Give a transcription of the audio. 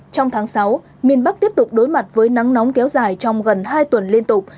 trong tháng sáu miền bắc tiếp tục đối mặt với nắng nóng kéo dài trong gần hai tuần liên tục